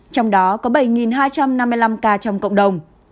trong đó có bảy hai trăm năm mươi năm ca trong cộng đồng